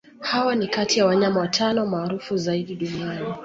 Hawa ni kati ya wanyama watano maarufu zaidi duniani